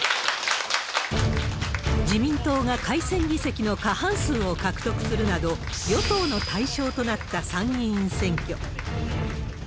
自民党が改選議席の過半数を獲得するなど、与党の大勝となった参議院選挙。